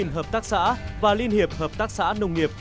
một mươi hợp tác xã và liên hiệp hợp tác xã nông nghiệp